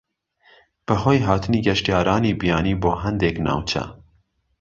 بەهۆی هاتنی گەشتیارانی بیانی بۆ هەندێک ناوچە